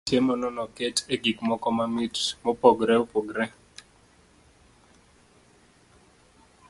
Chiemo no noket e gik moko mamit mopogore opogore.